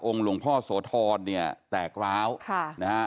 หลวงพ่อโสธรเนี่ยแตกร้าวค่ะนะฮะ